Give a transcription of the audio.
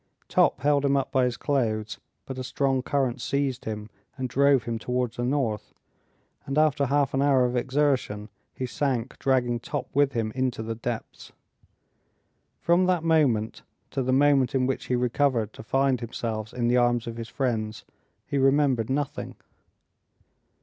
Top held him up by his clothes; but a strong current seized him and drove him towards the north, and after half an hour of exertion, he sank, dragging Top with him into the depths. From that moment to the moment in which he recovered to find himself in the arms of his friends he remembered nothing.